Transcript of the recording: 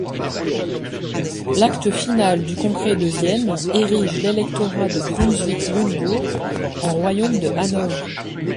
L'acte final du Congrès de Vienne érige l'électorat de Brunswick-Lunebourg en royaume de Hanovre.